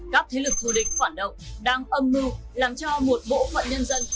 các thế lực thù địch phản động đang âm mưu làm cho một bộ phận nhân dân